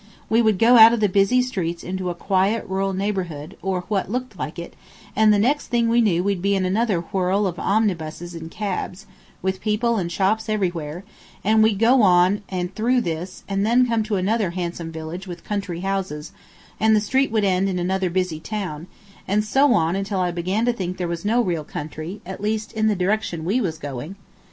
We would go out of the busy streets into a quiet rural neighborhood, or what looked like it, and the next thing we knew we'd be in another whirl of omnibuses and cabs, with people and shops everywhere; and we'd go on and through this and then come to another handsome village with country houses, and the street would end in another busy town; and so on until I began to think there was no real country, at least, in the direction we was going.